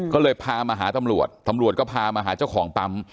ก็เลยพามาหาตำรวจตำรวจก็พามาหาเจ้าของปั๊ม